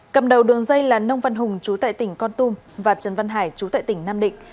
cầm đầu đường dây là nông văn hùng chú tại tỉnh con tum và trần văn hải chú tại tỉnh nam định